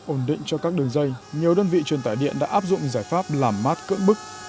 ổn định cho các đường dây nhiều đơn vị truyền tải điện đã áp dụng giải pháp làm mát cưỡng bức